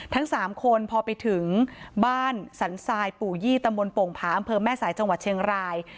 ทั้ง๓คนพอไปถึงบ้านสันทรายปู่ยี่ตำบลโป่งผาอำเภอแม่สายจังหวัดเชียงราย